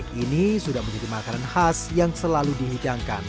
ini sudah menjadi makanan khas yang selalu dihidangkan